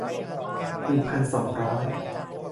หนึ่งพันสองร้อย